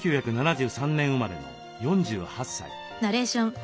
１９７３年生まれの４８歳。